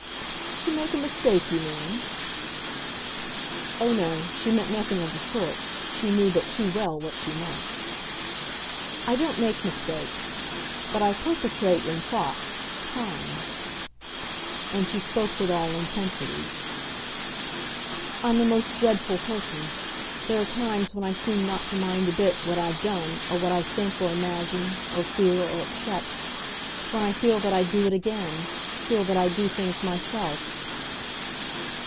"To make a mistake, you mean?" Oh no, she meant nothing of the sort; she knew but too well what she meant. "I don't make mistakes. But I perpetrate in thought crimes." And she spoke with all intensity. "I'm a most dreadful person. There are times when I seem not to mind a bit what I've done, or what I think or imagine or fear or accept; when I feel that I'd do it again feel that I'd do things myself."